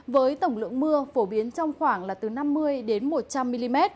với tổng lượng mưa phổ biến trong khoảng là từ năm mươi đến một trăm linh mm